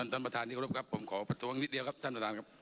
ท่านประธานที่เคารพครับผมขอประท้วงนิดเดียวครับท่านประธานครับ